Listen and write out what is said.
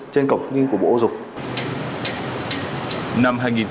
trên cổng thông tin của bộ học viện